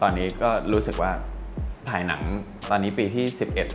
ตอนนี้ก็รู้สึกว่าถ่ายหนังตอนนี้ปีที่๑๑